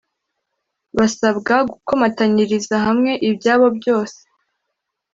Basabwa Gukomatanyiriza hamwe ibyabo byose.